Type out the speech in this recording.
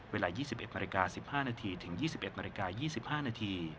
เวลา๒๑นาฬิกา๑๕นาทีถึง๒๑นาฬิกา๒๕นาที